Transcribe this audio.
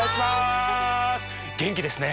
元気ですね。